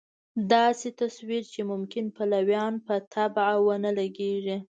داسې تصویر چې ممکن پلویانو په طبع ونه لګېږي.